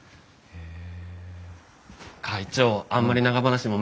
へえ。